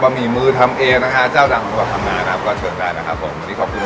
บะหมี่มือทำเองนะคะเจ้าดังของพังงานนะครับก็เฉินกันนะครับผม